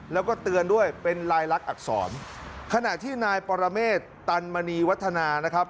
แล้วก็เตือนด้วยเป็นลายลักษณอักษรขณะที่นายปรเมษตันมณีวัฒนานะครับ